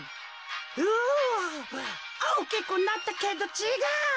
うわおおきくなったけどちがう。